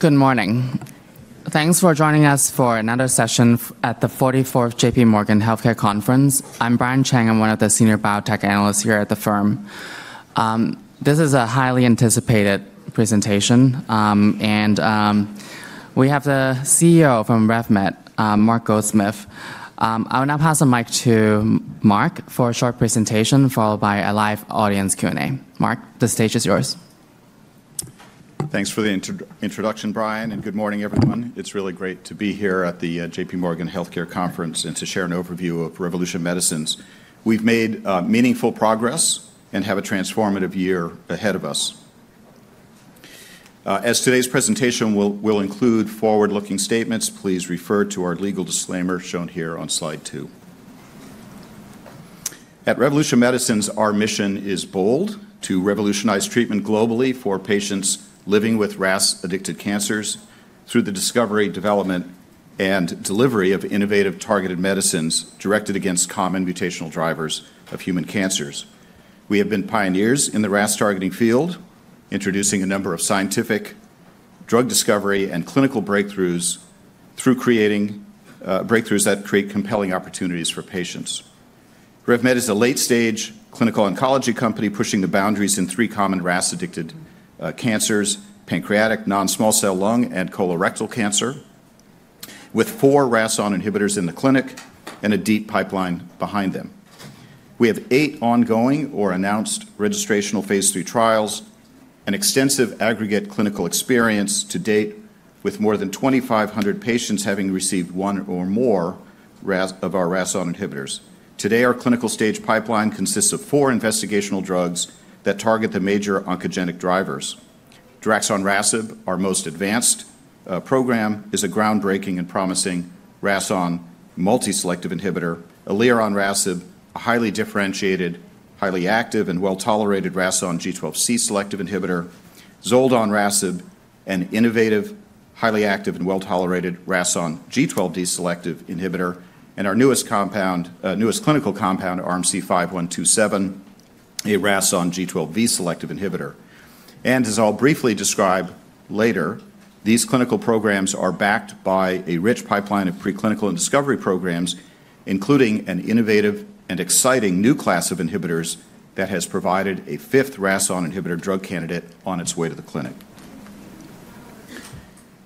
Good morning. Thanks for joining us for another session at the 44th J.P. Morgan Healthcare Conference. I'm Brian Cheng. I'm one of the senior biotech analysts here at the firm. This is a highly anticipated presentation, and we have the CEO from RevMed, Mark Goldsmith. I will now pass the mic to Mark for a short presentation, followed by a live audience Q&A. Mark, the stage is yours. Thanks for the introduction, Brian, and good morning, everyone. It's really great to be here at the J.P. Morgan Healthcare Conference and to share an overview of Revolution Medicines. We've made meaningful progress and have a transformative year ahead of us. As today's presentation will include forward-looking statements, please refer to our legal disclaimer shown here on slide two. At Revolution Medicines, our mission is bold: to revolutionize treatment globally for patients living with RAS-addicted cancers through the discovery, development, and delivery of innovative targeted medicines directed against common mutational drivers of human cancers. We have been pioneers in the RAS-targeting field, introducing a number of scientific drug discovery and clinical breakthroughs through creating breakthroughs that create compelling opportunities for patients. RevMed is a late-stage clinical oncology company pushing the boundaries in three common RAS-addicted cancers: pancreatic, non-small cell lung, and colorectal cancer, with four RAS(ON) inhibitors in the clinic and a deep pipeline behind them. We have eight ongoing or announced registrational phase 3 trials, an extensive aggregate clinical experience to date with more than 2,500 patients having received one or more of our RAS(ON) inhibitors. Today, our clinical stage pipeline consists of four investigational drugs that target the major oncogenic drivers. RMC-6236, our most advanced program, is a groundbreaking and promising RAS(ON) multi-selective inhibitor; RMC-6291, a highly differentiated, highly active, and well-tolerated RAS(ON) G12C selective inhibitor; RMC-9805, an innovative, highly active, and well-tolerated RAS(ON) G12D selective inhibitor; and our newest clinical compound, RMC-5127, a RAS(ON) G12V selective inhibitor. As I'll briefly describe later, these clinical programs are backed by a rich pipeline of preclinical and discovery programs, including an innovative and exciting new class of inhibitors that has provided a fifth RAS(ON) inhibitor drug candidate on its way to the clinic.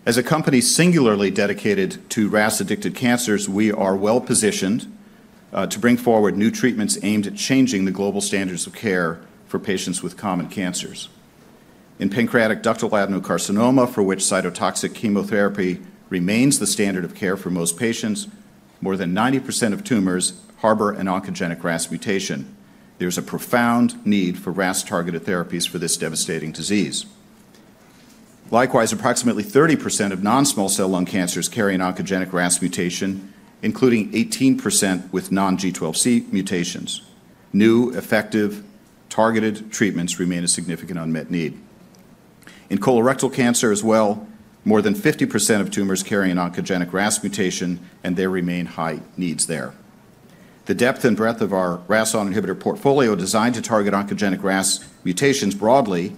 As a company singularly dedicated to RAS-addicted cancers, we are well-positioned to bring forward new treatments aimed at changing the global standards of care for patients with common cancers. In pancreatic ductal adenocarcinoma, for which cytotoxic chemotherapy remains the standard of care for most patients, more than 90% of tumors harbor an oncogenic RAS mutation. There's a profound need for RAS-targeted therapies for this devastating disease. Likewise, approximately 30% of non-small cell lung cancers carry an oncogenic RAS mutation, including 18% with non-G12C mutations. New, effective, targeted treatments remain a significant unmet need. In colorectal cancer as well, more than 50% of tumors carry an oncogenic RAS mutation, and there remain high needs there. The depth and breadth of our RAS(ON) inhibitor portfolio designed to target oncogenic RAS mutations broadly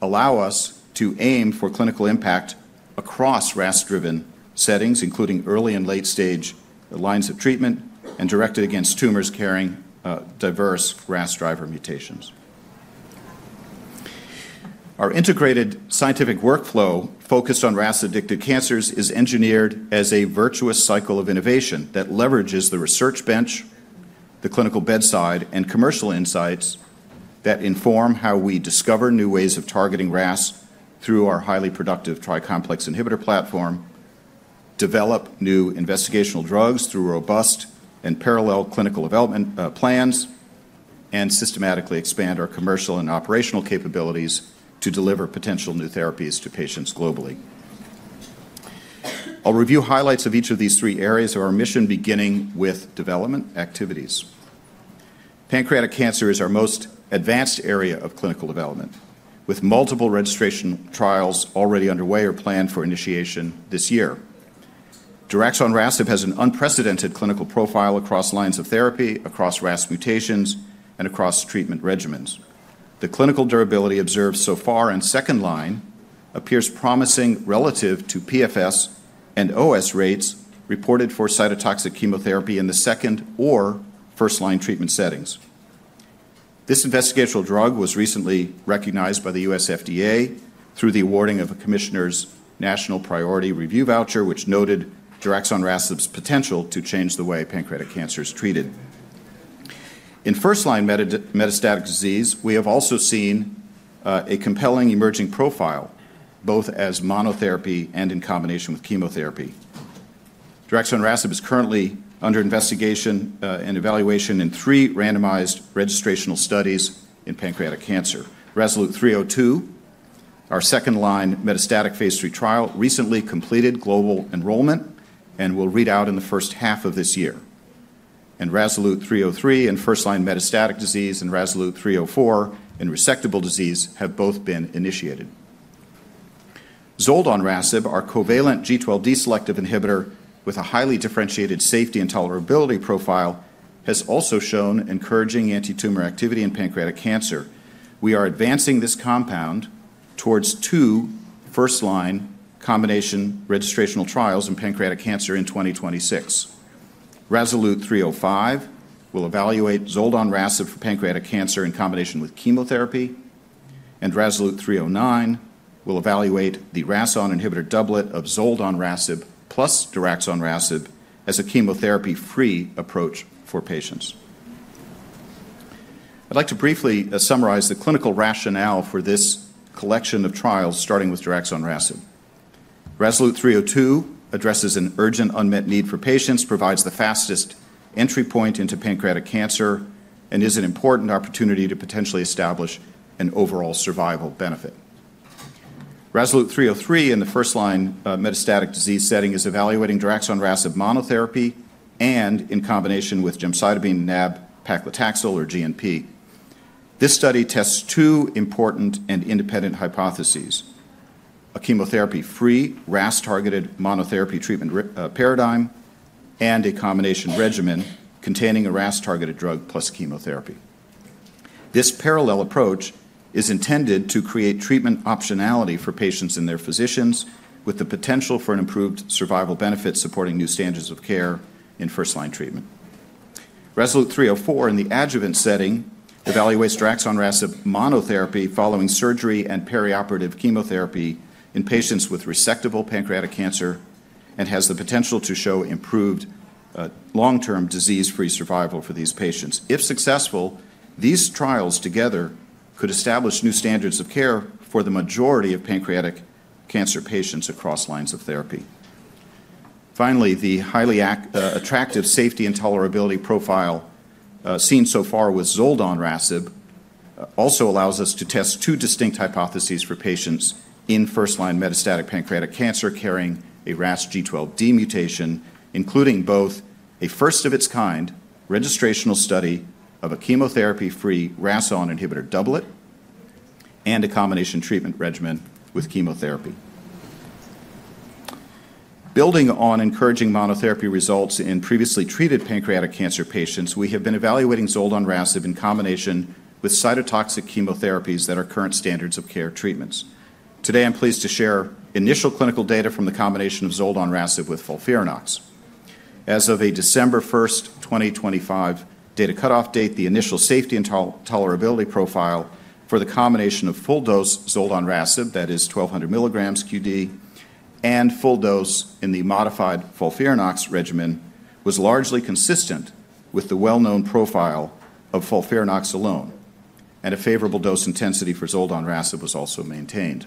allows us to aim for clinical impact across RAS-driven settings, including early and late-stage lines of treatment and directed against tumors carrying diverse RAS driver mutations. Our integrated scientific workflow focused on RAS-addicted cancers is engineered as a virtuous cycle of innovation that leverages the research bench, the clinical bedside, and commercial insights that inform how we discover new ways of targeting RAS through our highly productive tri-complex inhibitor platform, develop new investigational drugs through robust and parallel clinical development plans, and systematically expand our commercial and operational capabilities to deliver potential new therapies to patients globally. I'll review highlights of each of these three areas of our mission, beginning with development activities. Pancreatic cancer is our most advanced area of clinical development, with multiple registrational trials already underway or planned for initiation this year. RMC-6236 has an unprecedented clinical profile across lines of therapy, across RAS mutations, and across treatment regimens. The clinical durability observed so far in second-line appears promising relative to PFS and OS rates reported for cytotoxic chemotherapy in the second- or first-line treatment settings. This investigational drug was recently recognized by the U.S. FDA through the awarding of a Commissioner's National Priority Review Voucher, which noted RMC-6236's potential to change the way pancreatic cancer is treated. In first-line metastatic disease, we have also seen a compelling emerging profile, both as monotherapy and in combination with chemotherapy. Draxanrasib is currently under investigation and evaluation in three randomized registrational studies in pancreatic cancer. RASolute 302, our second-line metastatic phase 3 trial, recently completed global enrollment and will read out in the first half of this year. And RASolute 303 in first-line metastatic disease and RASolute 304 in resectable disease have both been initiated. Zoldanrasib, our covalent G12D selective inhibitor with a highly differentiated safety and tolerability profile, has also shown encouraging anti-tumor activity in pancreatic cancer. We are advancing this compound towards two first-line combination registrational trials in pancreatic cancer in 2026. RASolute 305 will evaluate zoldanrasib for pancreatic cancer in combination with chemotherapy, and RASolute 309 will evaluate the RAS(ON) inhibitor doublet of zoldanrasib plus draxanrasib as a chemotherapy-free approach for patients. I'd like to briefly summarize the clinical rationale for this collection of trials starting with RMC-6236. RASolute 302 addresses an urgent unmet need for patients, provides the fastest entry point into pancreatic cancer, and is an important opportunity to potentially establish an overall survival benefit. RASolute 303 in the first-line metastatic disease setting is evaluating RMC-6236 monotherapy and in combination with gemcitabine and nab-paclitaxel, or GNP. This study tests two important and independent hypotheses: a chemotherapy-free RAS-targeted monotherapy treatment paradigm and a combination regimen containing a RAS-targeted drug plus chemotherapy. This parallel approach is intended to create treatment optionality for patients and their physicians, with the potential for an improved survival benefit supporting new standards of care in first-line treatment. RASolute 304 in the adjuvant setting evaluates RMC-6236 monotherapy following surgery and perioperative chemotherapy in patients with resectable pancreatic cancer and has the potential to show improved long-term disease-free survival for these patients. If successful, these trials together could establish new standards of care for the majority of pancreatic cancer patients across lines of therapy. Finally, the highly attractive safety and tolerability profile seen so far with RMC-9805 also allows us to test two distinct hypotheses for patients in first-line metastatic pancreatic cancer carrying a RAS G12D mutation, including both a first-of-its-kind registrational study of a chemotherapy-free RAS(ON) inhibitor doublet and a combination treatment regimen with chemotherapy. Building on encouraging monotherapy results in previously treated pancreatic cancer patients, we have been evaluating RMC-9805 in combination with cytotoxic chemotherapies that are current standards of care treatments. Today, I'm pleased to share initial clinical data from the combination of RMC-9805 with FOLFIRINOX. As of a December 1st, 2025, data cutoff date, the initial safety and tolerability profile for the combination of full-dose RMC-9805, that is 1,200 milligrams q.d., and full-dose in the modified FOLFIRINOX regimen was largely consistent with the well-known profile of FOLFIRINOX alone, and a favorable dose intensity for RMC-9805 was also maintained.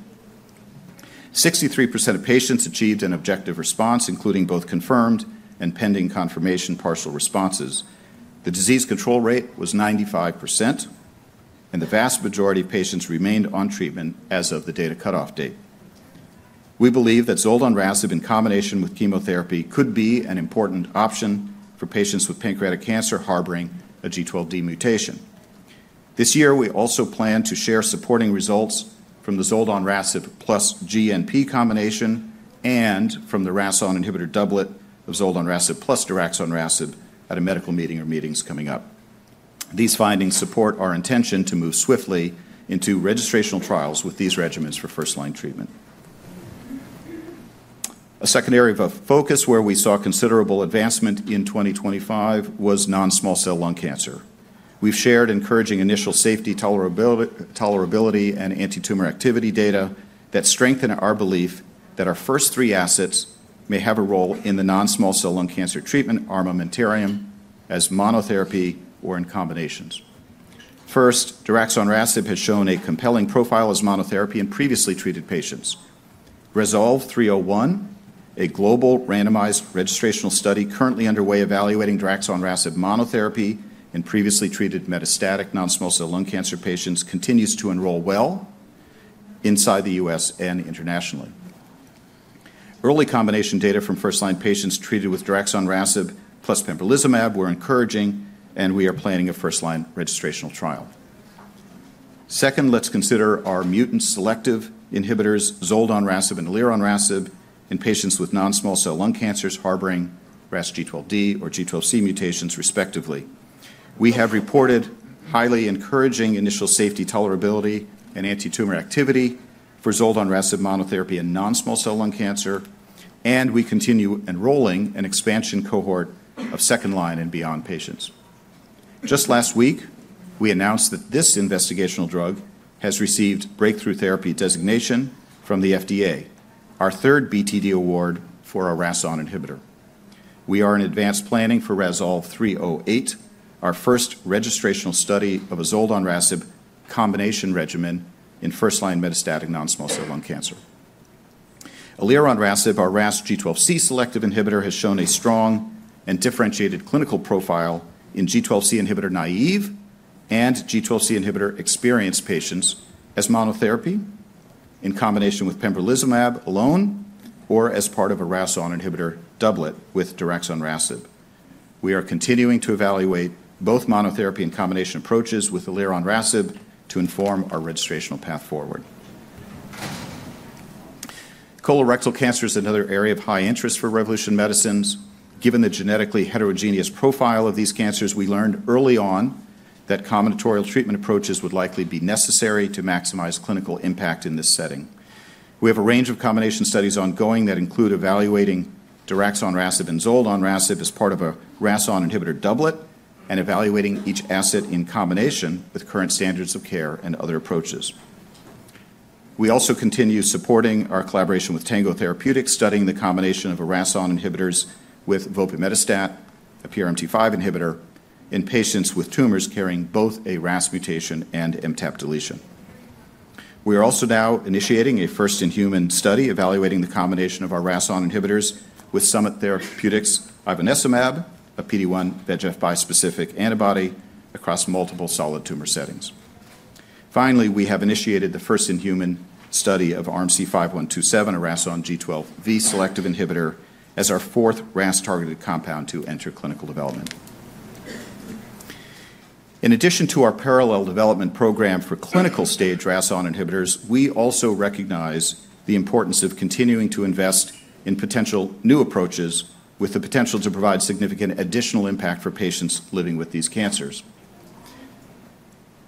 63% of patients achieved an objective response, including both confirmed and pending confirmation partial responses. The disease control rate was 95%, and the vast majority of patients remained on treatment as of the data cutoff date. We believe that RMC-9805 in combination with chemotherapy could be an important option for patients with pancreatic cancer harboring a G12D mutation. This year, we also plan to share supporting results from the RMC-9805 plus GNP combination and from the RAS(ON) inhibitor doublet of RMC-9805 plus RMC-6236 at a medical meeting or meetings coming up. These findings support our intention to move swiftly into registrational trials with these regimens for first-line treatment. A second area of focus where we saw considerable advancement in 2025 was non-small cell lung cancer. We've shared encouraging initial safety, tolerability, and anti-tumor activity data that strengthen our belief that our first three assets may have a role in the non-small cell lung cancer treatment armamentarium as monotherapy or in combinations. First, RMC-6236 has shown a compelling profile as monotherapy in previously treated patients. RASolute 301, a global randomized registrational study currently underway evaluating RMC-6236 monotherapy in previously treated metastatic non-small cell lung cancer patients, continues to enroll well inside the U.S. and internationally. Early combination data from first-line patients treated with RMC-6236 plus pembrolizumab were encouraging, and we are planning a first-line registrational trial. Second, let's consider our mutant selective inhibitors, RMC-9805 and RMC-6291, in patients with non-small cell lung cancers harboring RAS G12D or G12C mutations, respectively. We have reported highly encouraging initial safety, tolerability, and anti-tumor activity for RMC-9805 monotherapy in non-small cell lung cancer, and we continue enrolling an expansion cohort of second-line and beyond patients. Just last week, we announced that this investigational drug has received Breakthrough Therapy Designation from the FDA, our third BTD award for a RAS(ON) inhibitor. We are in advanced planning for RASolute 308, our first registrational study of a zoldanrasib combination regimen in first-line metastatic non-small cell lung cancer. Oleranrasib, our RAS G12C selective inhibitor, has shown a strong and differentiated clinical profile in G12C inhibitor naive and G12C inhibitor experienced patients as monotherapy in combination with pembrolizumab alone or as part of a RAS(ON) inhibitor doublet with draxanrasib. We are continuing to evaluate both monotherapy and combination approaches with oleranrasib to inform our registrational path forward. Colorectal cancer is another area of high interest for Revolution Medicines. Given the genetically heterogeneous profile of these cancers, we learned early on that combinatorial treatment approaches would likely be necessary to maximize clinical impact in this setting. We have a range of combination studies ongoing that include evaluating RMC-6236 and RMC-9805 as part of a RAS(ON) inhibitor doublet and evaluating each asset in combination with current standards of care and other approaches. We also continue supporting our collaboration with Tango Therapeutics, studying the combination of a RAS(ON) inhibitor with vopimetastat, a PRMT5 inhibitor, in patients with tumors carrying both a RAS mutation and MTAP deletion. We are also now initiating a first-in-human study evaluating the combination of our RAS(ON) inhibitors with Summit Therapeutics ivonescimab, a PD-1 VEGF bispecific antibody across multiple solid tumor settings. Finally, we have initiated the first-in-human study of RMC-5127, a RAS(ON) G12V-selective inhibitor, as our fourth RAS-targeted compound to enter clinical development. In addition to our parallel development program for clinical-stage RAS(ON) inhibitors, we also recognize the importance of continuing to invest in potential new approaches with the potential to provide significant additional impact for patients living with these cancers.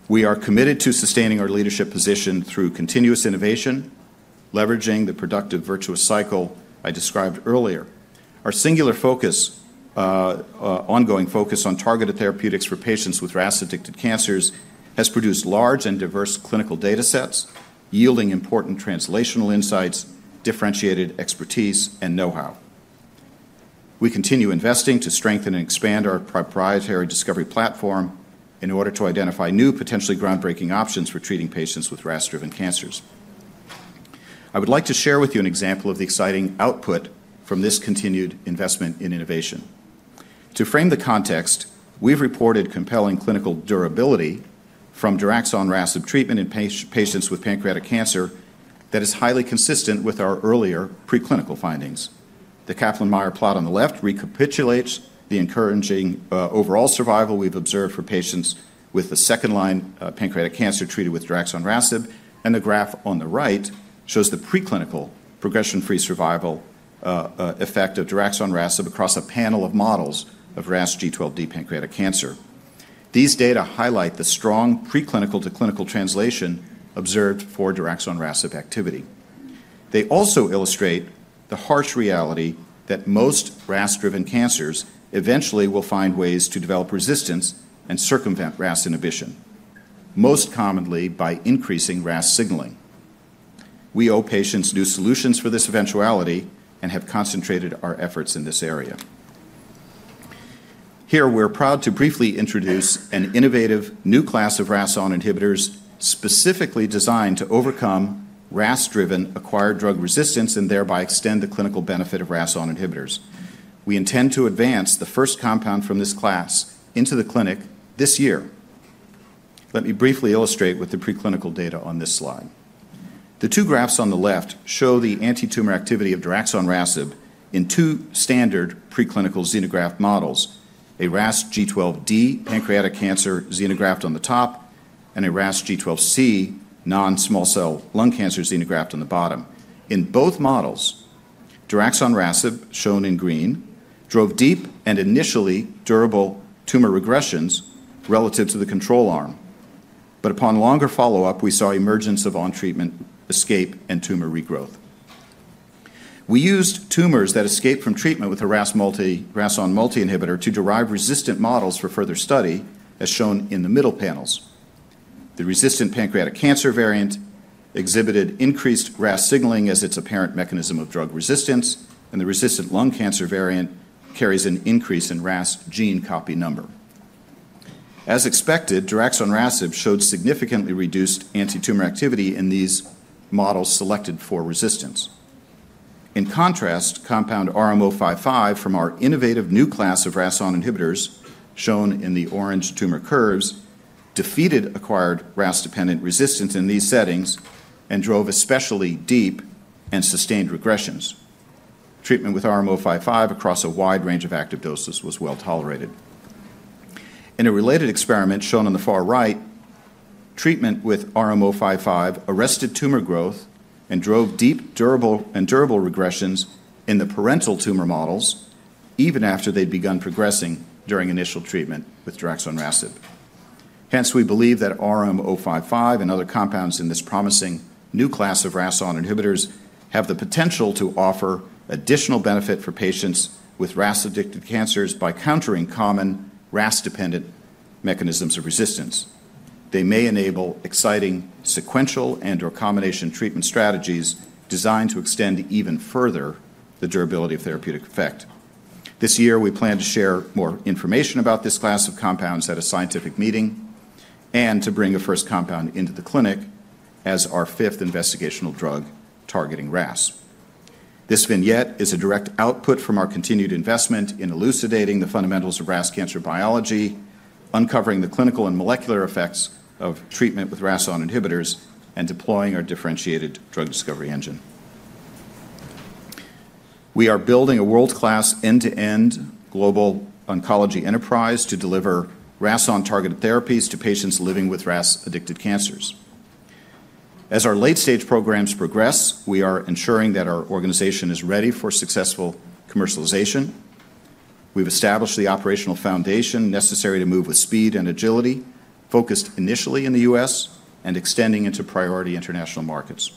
We are committed to sustaining our leadership position through continuous innovation, leveraging the productive virtuous cycle I described earlier. Our singular ongoing focus on targeted therapeutics for patients with RAS-addicted cancers has produced large and diverse clinical data sets, yielding important translational insights, differentiated expertise, and know-how. We continue investing to strengthen and expand our proprietary discovery platform in order to identify new potentially groundbreaking options for treating patients with RAS-driven cancers. I would like to share with you an example of the exciting output from this continued investment in innovation. To frame the context, we've reported compelling clinical durability from RMC-6236 treatment in patients with pancreatic cancer that is highly consistent with our earlier preclinical findings. The Kaplan-Meier plot on the left recapitulates the encouraging overall survival we've observed for patients with the second-line pancreatic cancer treated with RMC-6236, and the graph on the right shows the preclinical progression-free survival effect of RMC-6236 across a panel of models of RAS G12D pancreatic cancer. These data highlight the strong preclinical to clinical translation observed for RMC-6236 activity. They also illustrate the harsh reality that most RAS-driven cancers eventually will find ways to develop resistance and circumvent RAS inhibition, most commonly by increasing RAS signaling. We owe patients new solutions for this eventuality and have concentrated our efforts in this area. Here, we're proud to briefly introduce an innovative new class of RAS(ON) inhibitors specifically designed to overcome RAS-driven acquired drug resistance and thereby extend the clinical benefit of RAS(ON) inhibitors. We intend to advance the first compound from this class into the clinic this year. Let me briefly illustrate with the preclinical data on this slide. The two graphs on the left show the anti-tumor activity of RMC-6236 in two standard preclinical xenograft models: a RAS G12D pancreatic cancer xenograft on the top and a RAS G12C non-small cell lung cancer xenograft on the bottom. In both models, RMC-6236, shown in green, drove deep and initially durable tumor regressions relative to the control arm, but upon longer follow-up, we saw emergence of on-treatment escape and tumor regrowth. We used tumors that escaped from treatment with a RAS(ON) multi-inhibitor to derive resistant models for further study, as shown in the middle panels. The resistant pancreatic cancer variant exhibited increased RAS signaling as its apparent mechanism of drug resistance, and the resistant lung cancer variant carries an increase in RAS gene copy number. As expected, RMC-6236 showed significantly reduced anti-tumor activity in these models selected for resistance. In contrast, compound RMC-055 from our innovative new class of RAS(ON) inhibitors, shown in the orange tumor curves, defeated acquired RAS-dependent resistance in these settings and drove especially deep and sustained regressions. Treatment with RMC-055 across a wide range of active doses was well tolerated. In a related experiment shown on the far right, treatment with RMC-055 arrested tumor growth and drove deep and durable regressions in the parental tumor models, even after they'd begun progressing during initial treatment with RMC-6236. Hence, we believe that RMC-055 and other compounds in this promising new class of RAS(ON) inhibitors have the potential to offer additional benefit for patients with RAS-addicted cancers by countering common RAS-dependent mechanisms of resistance. They may enable exciting sequential and/or combination treatment strategies designed to extend even further the durability of therapeutic effect. This year, we plan to share more information about this class of compounds at a scientific meeting and to bring a first compound into the clinic as our fifth investigational drug targeting RAS. This vignette is a direct output from our continued investment in elucidating the fundamentals of RAS cancer biology, uncovering the clinical and molecular effects of treatment with RAS(ON) inhibitors, and deploying our differentiated drug discovery engine. We are building a world-class end-to-end global oncology enterprise to deliver RAS(ON) targeted therapies to patients living with RAS-addicted cancers. As our late-stage programs progress, we are ensuring that our organization is ready for successful commercialization. We've established the operational foundation necessary to move with speed and agility, focused initially in the U.S. and extending into priority international markets.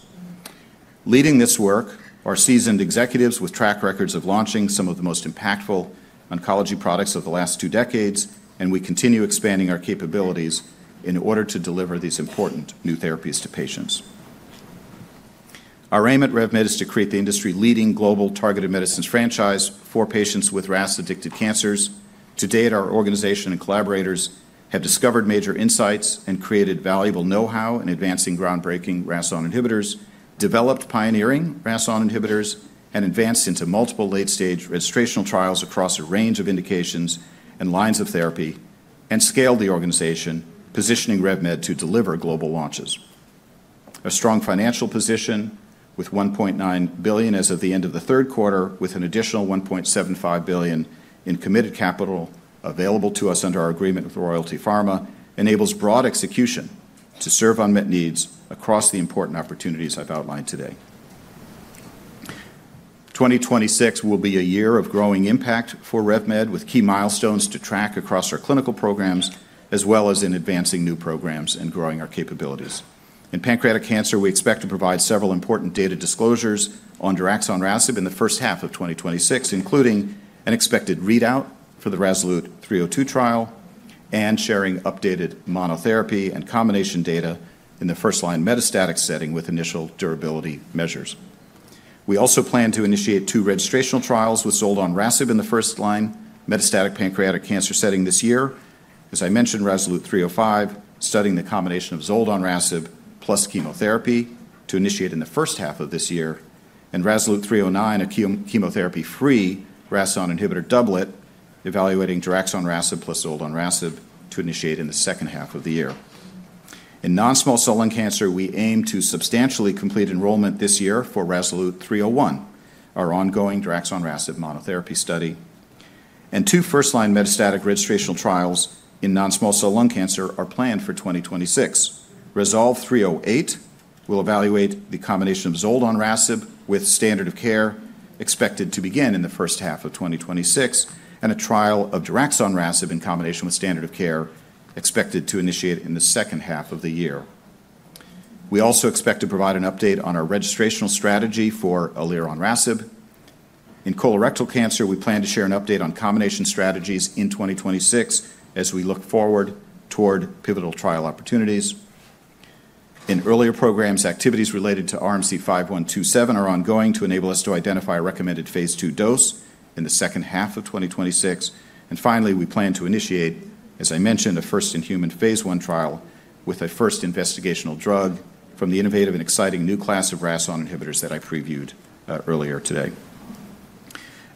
Leading this work are seasoned executives with track records of launching some of the most impactful oncology products of the last two decades, and we continue expanding our capabilities in order to deliver these important new therapies to patients. Our aim at RevMed is to create the industry-leading global targeted medicines franchise for patients with RAS-addicted cancers. To date, our organization and collaborators have discovered major insights and created valuable know-how in advancing groundbreaking RAS(ON) inhibitors, developed pioneering RAS(ON) inhibitors, and advanced into multiple late-stage registrational trials across a range of indications and lines of therapy, and scaled the organization, positioning RevMed to deliver global launches. A strong financial position with $1.9 billion as of the end of the third quarter, with an additional $1.75 billion in committed capital available to us under our agreement with Royalty Pharma, enables broad execution to serve unmet needs across the important opportunities I've outlined today. 2026 will be a year of growing impact for RevMed, with key milestones to track across our clinical programs as well as in advancing new programs and growing our capabilities. In pancreatic cancer, we expect to provide several important data disclosures on RMC-6236 in the first half of 2026, including an expected readout for the RASolute 302 trial and sharing updated monotherapy and combination data in the first-line metastatic setting with initial durability measures. We also plan to initiate two registrational trials with RMC-9805 in the first-line metastatic pancreatic cancer setting this year. As I mentioned, RASolute 305, studying the combination of RMC-9805 plus chemotherapy to initiate in the first half of this year, and RASolute 309, a chemotherapy-free RAS(ON) inhibitor doublet, evaluating RMC-6236 plus RMC-9805 to initiate in the second half of the year. In non-small cell lung cancer, we aim to substantially complete enrollment this year for RASolute 301, our ongoing RMC-6236 monotherapy study, and two first-line metastatic registrational trials in non-small cell lung cancer are planned for 2026. RASolute 308 will evaluate the combination of RMC-9805 with standard of care, expected to begin in the first half of 2026, and a trial of RMC-6236 in combination with standard of care, expected to initiate in the second half of the year. We also expect to provide an update on our registrational strategy for RMC-6291. In colorectal cancer, we plan to share an update on combination strategies in 2026 as we look forward toward pivotal trial opportunities. In earlier programs, activities related to RMC-5127 are ongoing to enable us to identify a recommended phase two dose in the second half of 2026. Finally, we plan to initiate, as I mentioned, a first-in-human phase one trial with a first investigational drug from the innovative and exciting new class of RAS(ON) inhibitors that I previewed earlier today.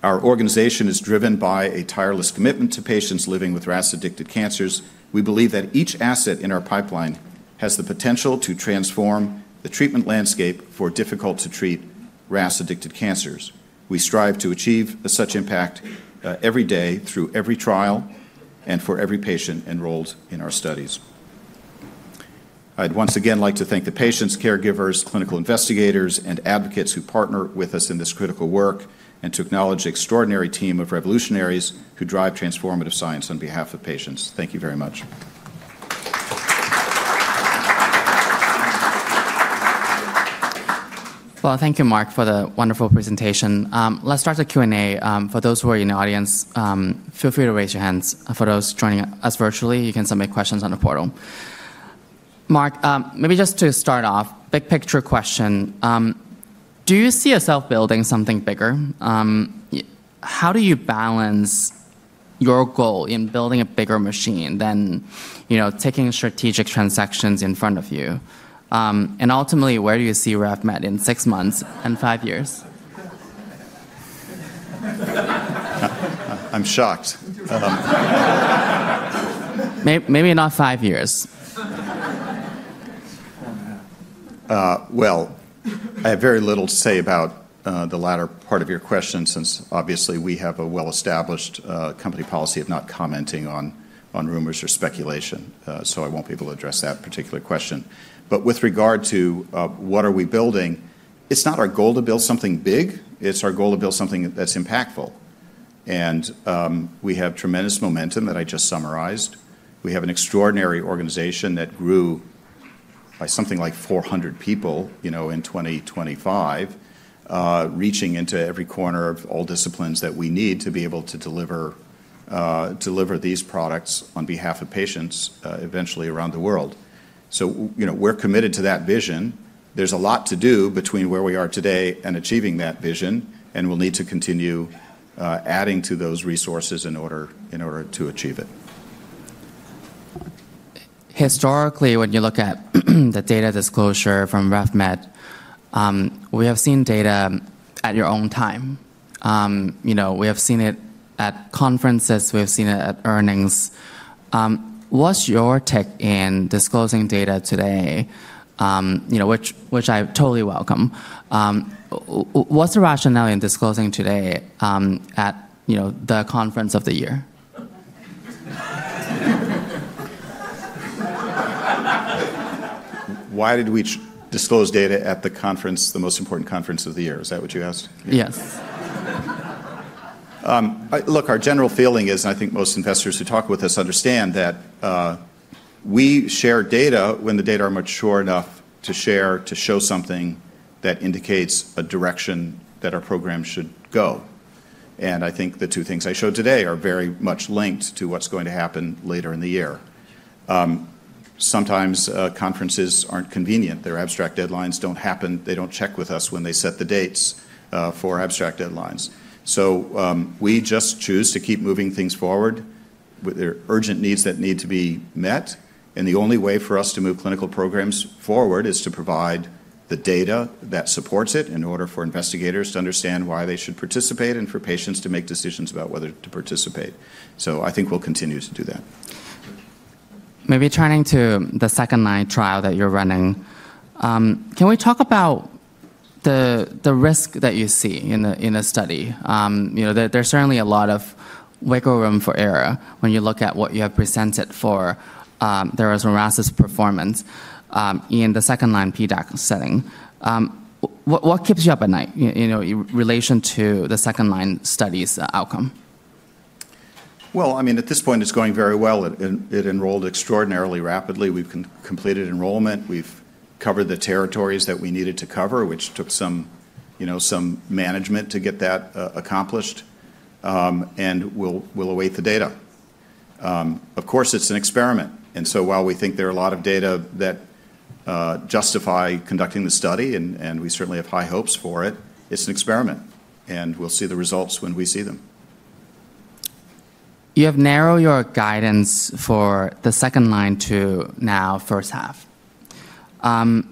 Our organization is driven by a tireless commitment to patients living with RAS-addicted cancers. We believe that each asset in our pipeline has the potential to transform the treatment landscape for difficult-to-treat RAS-addicted cancers. We strive to achieve such impact every day through every trial and for every patient enrolled in our studies. I'd once again like to thank the patients, caregivers, clinical investigators, and advocates who partner with us in this critical work, and to acknowledge the extraordinary team of revolutionaries who drive transformative science on behalf of patients. Thank you very much. Thank you, Mark, for the wonderful presentation. Let's start the Q&A. For those who are in the audience, feel free to raise your hands. For those joining us virtually, you can submit questions on the portal. Mark, maybe just to start off, big picture question. Do you see yourself building something bigger? How do you balance your goal in building a bigger machine than taking strategic transactions in front of you? And ultimately, where do you see RevMed in six months and five years? I'm shocked. Maybe not five years. I have very little to say about the latter part of your question since, obviously, we have a well-established company policy of not commenting on rumors or speculation, so I won't be able to address that particular question. But with regard to what are we building, it's not our goal to build something big. It's our goal to build something that's impactful. We have tremendous momentum that I just summarized. We have an extraordinary organization that grew by something like 400 people in 2025, reaching into every corner of all disciplines that we need to be able to deliver these products on behalf of patients eventually around the world. So we're committed to that vision. There's a lot to do between where we are today and achieving that vision, and we'll need to continue adding to those resources in order to achieve it. Historically, when you look at the data disclosure from RevMed, we have seen data at your own time. We have seen it at conferences. We have seen it at earnings. What's your take in disclosing data today, which I totally welcome? What's the rationale in disclosing today at the conference of the year? Why did we disclose data at the conference, the most important conference of the year? Is that what you asked? Yes. Look, our general feeling is, and I think most investors who talk with us understand that we share data when the data are mature enough to show something that indicates a direction that our program should go. And I think the two things I showed today are very much linked to what's going to happen later in the year. Sometimes conferences aren't convenient. Their abstract deadlines don't happen. They don't check with us when they set the dates for abstract deadlines. So we just choose to keep moving things forward with urgent needs that need to be met. And the only way for us to move clinical programs forward is to provide the data that supports it in order for investigators to understand why they should participate and for patients to make decisions about whether to participate. So I think we'll continue to do that. Maybe turning to the second-line trial that you're running, can we talk about the risk that you see in the study? There's certainly a lot of wiggle room for error when you look at what you have presented for the draxanrasib performance in the second-line PDAC setting. What keeps you up at night in relation to the second-line study's outcome? Well, I mean, at this point, it's going very well. It enrolled extraordinarily rapidly. We've completed enrollment. We've covered the territories that we needed to cover, which took some management to get that accomplished. And we'll await the data. Of course, it's an experiment. And so while we think there are a lot of data that justify conducting the study, and we certainly have high hopes for it, it's an experiment. And we'll see the results when we see them. You have narrowed your guidance for the second-line to now first half. Have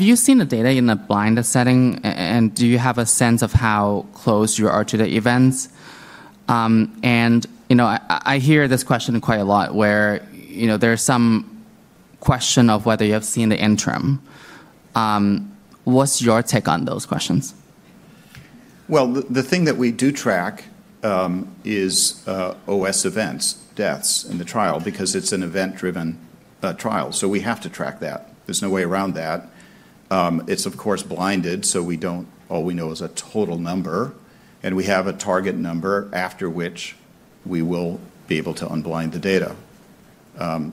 you seen the data in a blinded setting, and do you have a sense of how close you are to the events? And I hear this question quite a lot where there's some question of whether you have seen the interim. What's your take on those questions? Well, the thing that we do track is OS events, deaths, in the trial because it's an event-driven trial. So we have to track that. There's no way around that. It's, of course, blinded, so all we know is a total number. And we have a target number after which we will be able to unblind the data.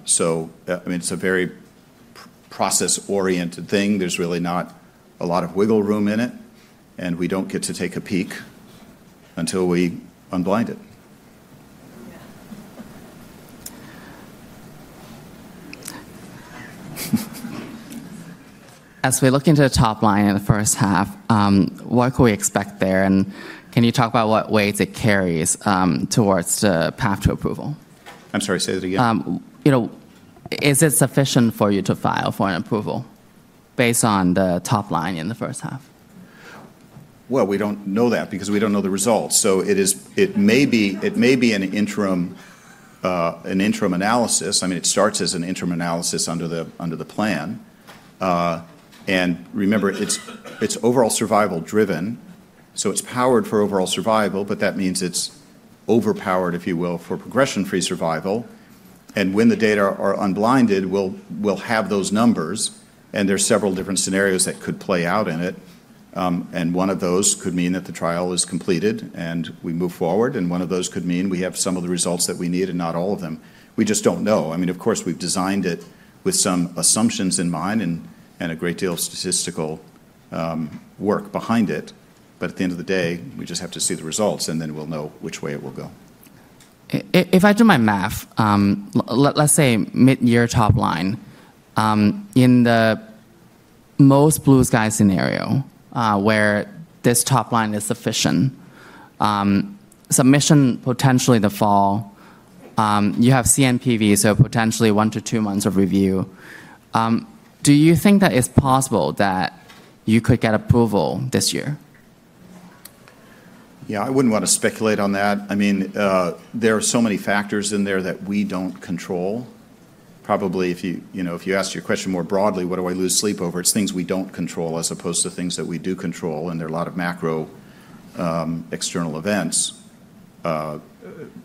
So it's a very process-oriented thing. There's really not a lot of wiggle room in it. And we don't get to take a peek until we unblind it. As we look into the top line in the first half, what can we expect there? And can you talk about what weight it carries towards the path to approval? I'm sorry. Say that again. Is it sufficient for you to file for an approval based on the top line in the first half? Well, we don't know that because we don't know the results. So it may be an interim analysis. I mean, it starts as an interim analysis under the plan. And remember, it's overall survival-driven. So it's powered for overall survival, but that means it's overpowered, if you will, for progression-free survival. And when the data are unblinded, we'll have those numbers. And there's several different scenarios that could play out in it. And one of those could mean that the trial is completed and we move forward. And one of those could mean we have some of the results that we need and not all of them. We just don't know. I mean, of course, we've designed it with some assumptions in mind and a great deal of statistical work behind it. But at the end of the day, we just have to see the results, and then we'll know which way it will go. If I do my math, let's say mid-year top line, in the most blue-sky scenario where this top line is sufficient, submission potentially the fall, you have CNPV, so potentially one to two months of review. Do you think that it's possible that you could get approval this year? Yeah, I wouldn't want to speculate on that. I mean, there are so many factors in there that we don't control. Probably if you asked your question more broadly, what do I lose sleep over? It's things we don't control as opposed to things that we do control. And there are a lot of macro external events,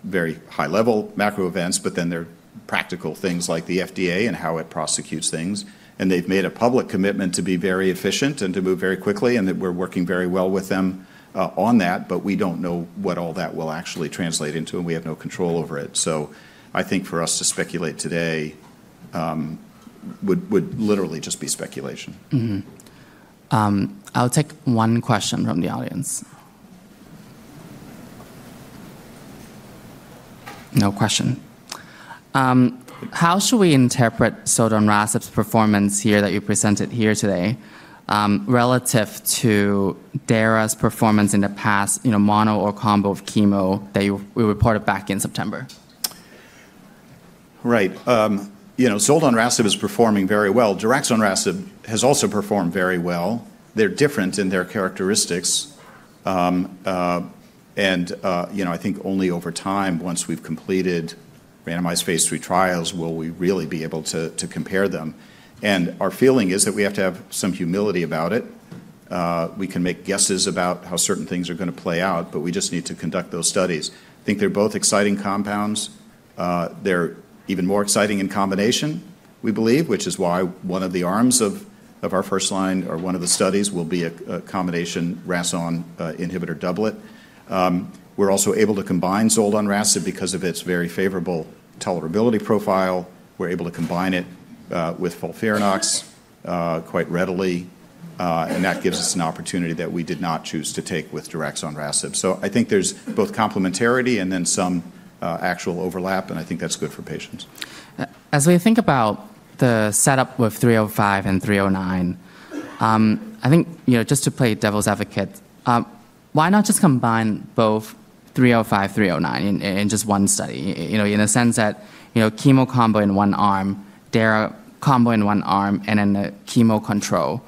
very high-level macro events, but then there are practical things like the FDA and how it prosecutes things. And they've made a public commitment to be very efficient and to move very quickly, and that we're working very well with them on that. But we don't know what all that will actually translate into, and we have no control over it. So I think for us to speculate today would literally just be speculation. I'll take one question from the audience. No question. How should we interpret zoldanrasib's performance here that you presented here today relative to draxanrasib's performance in the past, mono or combo of chemo that we reported back in September? Right. Zoldanrasib is performing very well. Draxanrasib has also performed very well. They're different in their characteristics. And I think only over time, once we've completed randomized phase 3 trials, will we really be able to compare them. And our feeling is that we have to have some humility about it. We can make guesses about how certain things are going to play out, but we just need to conduct those studies. I think they're both exciting compounds. They're even more exciting in combination, we believe, which is why one of the arms of our first-line or one of the studies will be a combination RAS(ON) inhibitor doublet. We're also able to combine zoldanrasib because of its very favorable tolerability profile. We're able to combine it with FOLFIRINOX quite readily. And that gives us an opportunity that we did not choose to take with draxanrasib. So I think there's both complementarity and then some actual overlap. And I think that' s good for patients. As we think about the setup with 305 and 309, I think just to play devil's advocate, why not just combine both 305, 309 in just one study in a sense that chemo combo in one arm, Drax combo in one arm, and then the chemo control?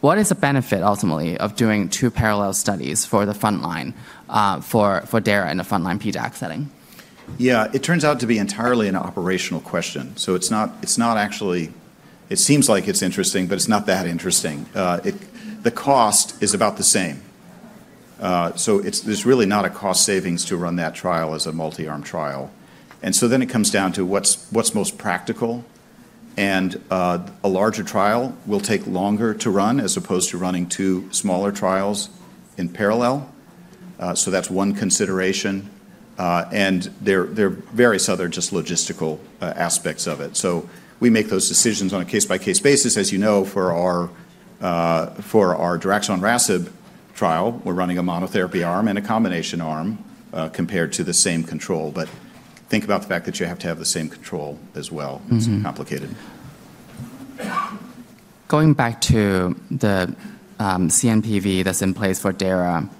What is the benefit ultimately of doing two parallel studies for the front line for Drax in a front line PDAC setting? Yeah, it turns out to be entirely an operational question. So it's not actually. It seems like it's interesting, but it's not that interesting. The cost is about the same. So there's really not a cost savings to run that trial as a multi-arm trial. And so then it comes down to what's most practical. And a larger trial will take longer to run as opposed to running two smaller trials in parallel. So that's one consideration. And there are various other just logistical aspects of it. So we make those decisions on a case-by-case basis. As you know, for our RMC-6236 trial, we're running a monotherapy arm and a combination arm compared to the same control. But think about the fact that you have to have the same control as well. It's complicated. Going back to the CNPV that's in place for draxanrasib,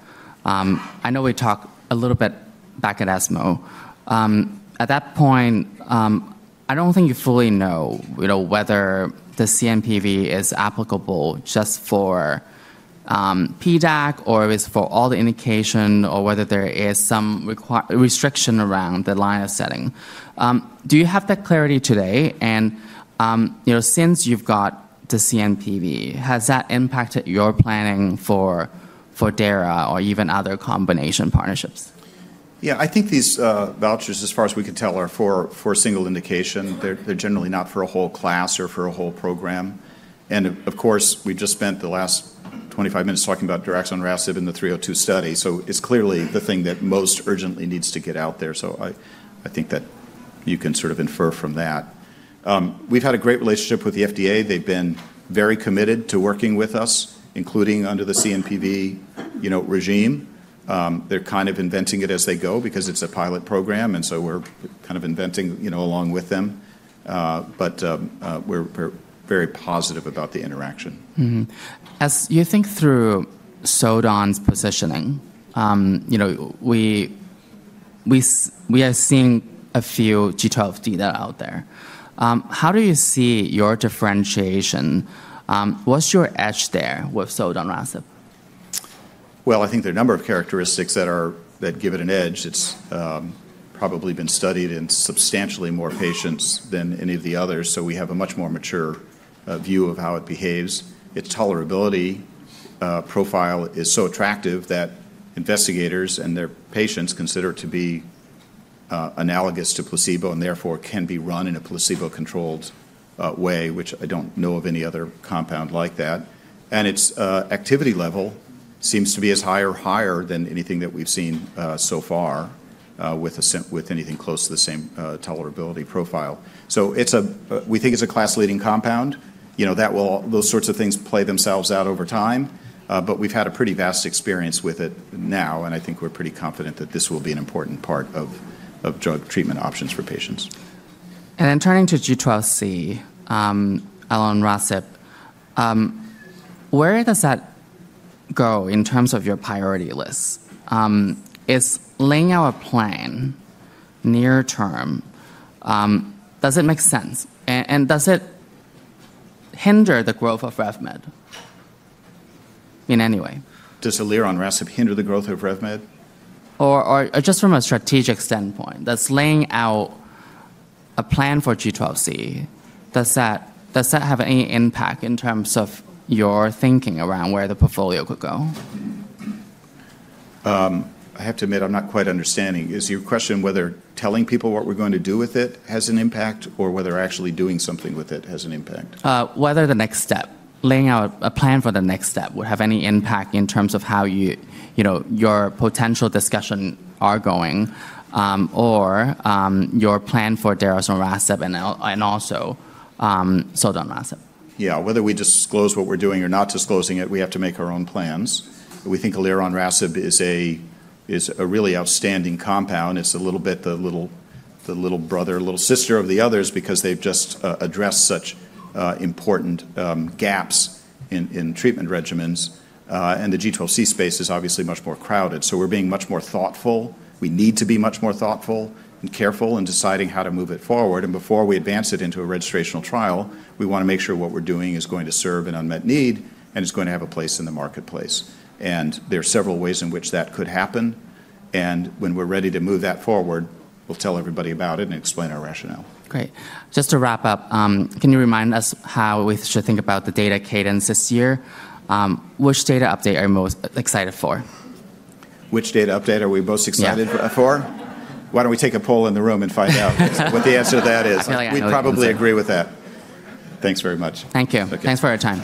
I know we talked a little bit back at ESMO. At that point, I don't think you fully know whether the CNPV is applicable just for PDAC or it is for all the indication or whether there is some restriction around the line of setting. Do you have that clarity today, and since you've got the CNPV, has that impacted your planning for draxanrasib or even other combination partnerships? Yeah, I think these vouchers, as far as we can tell, are for a single indication. They're generally not for a whole class or for a whole program, and of course, we just spent the last 25 minutes talking about draxanrasib in the 302 study, so it's clearly the thing that most urgently needs to get out there, so I think that you can sort of infer from that. We've had a great relationship with the FDA. They've been very committed to working with us, including under the CNPV regime. They're kind of inventing it as they go because it's a pilot program, and so we're kind of inventing along with them, but we're very positive about the interaction. As you think through zoldanrasib's positioning, we have seen a few G12 data out there. How do you see your differentiation? What's your edge there with zoldanrasib? Well, I think there are a number of characteristics that give it an edge. It's probably been studied in substantially more patients than any of the others, so we have a much more mature view of how it behaves. Its tolerability profile is so attractive that investigators and their patients consider it to be analogous to placebo and therefore can be run in a placebo-controlled way, which I don't know of any other compound like that. Its activity level seems to be as high or higher than anything that we've seen so far with anything close to the same tolerability profile. We think it's a class-leading compound. Those sorts of things play themselves out over time. We've had a pretty vast experience with it now. I think we're pretty confident that this will be an important part of drug treatment options for patients. Then turning to G12C oleranrasib, where does that go in terms of your priority list? Is laying out a plan near-term? Does it make sense? Does it hinder the growth of RevMed in any way? Does oleranrasib hinder the growth of RevMed? Just from a strategic standpoint, does laying out a plan for G12C have any impact in terms of your thinking around where the portfolio could go? I have to admit, I'm not quite understanding. Is your question whether telling people what we're going to do with it has an impact or whether actually doing something with it has an impact? Whether the next step, laying out a plan for the next step, would have any impact in terms of how your potential discussions are going or your plan for draxanrasib and also zoldanrasib? Yeah, whether we disclose what we're doing or not disclosing it, we have to make our own plans. We think oleranrasib is a really outstanding compound. It's a little bit the little brother, little sister of the others because they've just addressed such important gaps in treatment regimens. The G12C space is obviously much more crowded. So we're being much more thoughtful. We need to be much more thoughtful and careful in deciding how to move it forward. And before we advance it into a registrational trial, we want to make sure what we're doing is going to serve an unmet need and is going to have a place in the marketplace. And there are several ways in which that could happen. And when we're ready to move that forward, we'll tell everybody about it and explain our rationale. Great. Just to wrap up, can you remind us how we should think about the data cadence this year? Which data update are you most excited for? Which data update are we most excited for? Why don't we take a poll in the room and find out what the answer to that is? We probably agree with that. Thanks very much. Thank you. Thanks for your time.